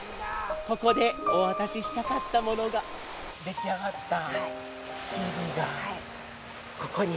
ここでお渡ししたかったものができ上がったＣＤが、ここに。